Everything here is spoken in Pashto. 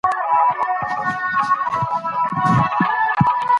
د کار ډیر بار د ذهني ستړیا سبب کېږي.